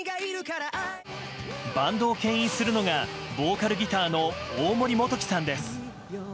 バンドを牽引するのがボーカル、ギターの大森元貴さんです。